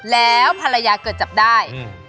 แล้วภรรยาเกิดจับได้